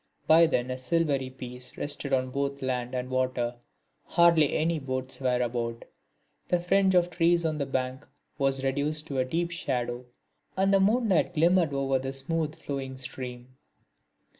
By then a silvery peace rested on both land and water, hardly any boats were about, the fringe of trees on the bank was reduced to a deep shadow, and the moonlight glimmered over the smooth flowing stream.